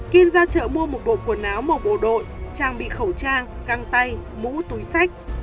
kiên ra chợ mua một bộ quần áo màu đội trang bị khẩu trang găng tay mũ túi sách